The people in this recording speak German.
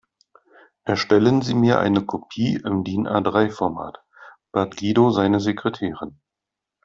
Erstellen Sie mir eine Kopie im DIN-A-drei Format, bat Guido seine Sekretärin.